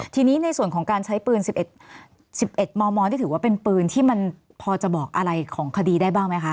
ทีนี้ในส่วนของการใช้ปืน๑๑มมนี่ถือว่าเป็นปืนที่มันพอจะบอกอะไรของคดีได้บ้างไหมคะ